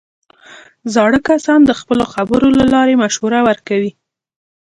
زاړه کسان د خپلو خبرو له لارې مشوره ورکوي